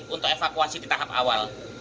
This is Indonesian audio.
untuk evakuasi di tahap awal